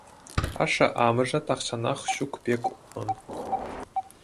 Ашшӗ-амӑшӗ тахҫанах ҫук пек унӑн.